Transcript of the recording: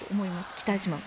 期待します。